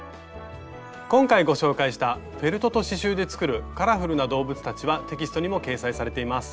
今回ご紹介した「フェルトと刺しゅうで作るカラフルな動物たち」はテキストにも掲載されています。